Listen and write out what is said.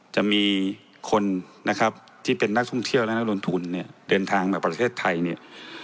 จะมีคนนะครับที่เป็นนักท่องเที่ยวและนักลงทุนเนี่ยเดินทางมาประเทศไทยเนี่ย